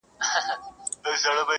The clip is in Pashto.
ویل وایه د عمرونو جادوګره.!